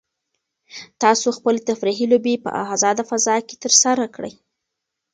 تاسو خپلې تفریحي لوبې په ازاده فضا کې ترسره کړئ.